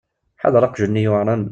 Ḥader aqjun-nni yuεren.